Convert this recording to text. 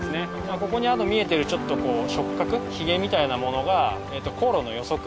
ここにあと見えてるちょっとこう触角ひげみたいなものが航路の予測。